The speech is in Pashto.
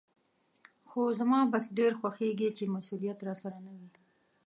خو زما بس ډېر خوښېږي چې مسولیت راسره نه وي.